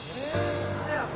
早く